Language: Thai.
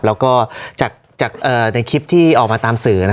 แล้วก็จากในคลิปที่ออกมาตามสื่อ